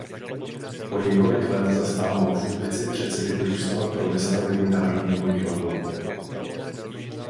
Po několik let zastával funkci předsedy družstva pro vystavění Národního divadla.